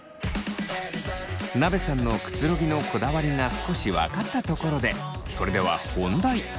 なべさんのくつろぎのこだわりが少し分かったところでそれでは本題。